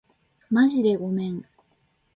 まじでごめん